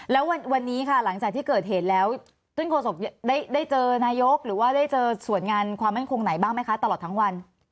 แล้ววันนี้ค่ะหลังจากที่เกิดเหตุแล้วท่านโศกได้เจอนายกหรือว่าได้เจอส่วนงานความมั่นคงไหนบ้างไหมคะตลอดทั้งวัน